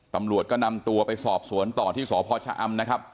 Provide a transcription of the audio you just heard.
ตำรวจก็นำตัวไปสอบสวนต่อที่สพชะอำนะครับ